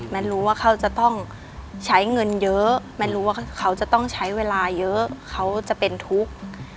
รู้ว่าเขาจะต้องใช้เงินเยอะแนนรู้ว่าเขาจะต้องใช้เวลาเยอะเขาจะเป็นทุกข์